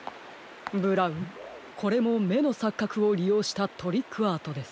ブラウンこれもめのさっかくをりようしたトリックアートです。